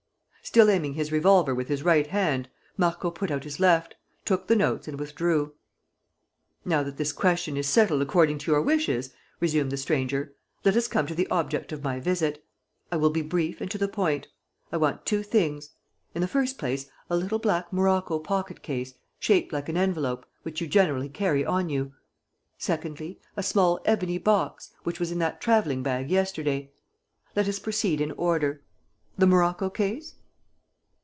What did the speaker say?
Still aiming his revolver with his right hand, Marco put out his left, took the notes and withdrew. "Now that this question is settled according to your wishes," resumed the stranger, "let us come to the object of my visit. I will be brief and to the point. I want two things. In the first place, a little black morocco pocket case, shaped like an envelope, which you generally carry on you. Secondly, a small ebony box, which was in that traveling bag yesterday. Let us proceed in order. The morocco case?"